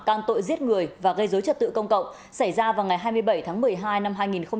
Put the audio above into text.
can tội giết người và gây dối trật tự công cộng xảy ra vào ngày hai mươi bảy tháng một mươi hai năm hai nghìn một mươi ba